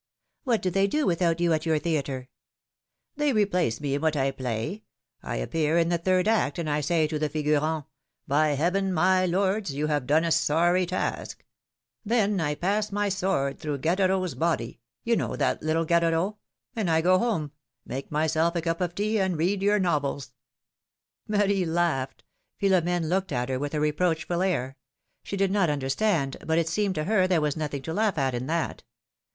What do they do without you at your theatre?" They replace me, in what I play ! I appear in the third act and I say to the figurants :^ By heaven, my lords ! you have done a sorry task !' Then I pass my sword through Gadoreau's body, you know that little Gadoreau ? and I go home — make myself a cup of tea and read your novels !" Marie laughed ; Philom^ne looked at her with a re proachful air; she did not understand, but it seemed to her there was nothing to laugh at in that.